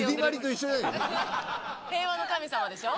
平和の神様でしょ？